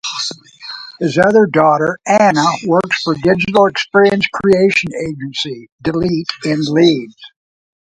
His other daughter, Anna, works for digital experience creation agency Delete in Leeds.